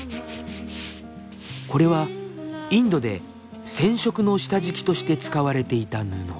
これはインドで染色の下敷きとして使われていた布。